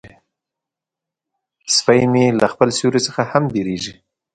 سپي مې له خپل سیوري څخه هم بیریږي.